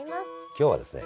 今日はですね